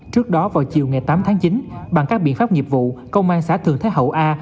trước đó vào chiều ngày tám tháng chín bằng các biện pháp nghiệp vụ công an xã thường thế hậu a